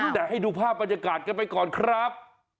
แต่ให้ดูภาพบรรยากาศกันไปก่อนครับ